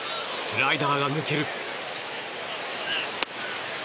スライダーが抜ける。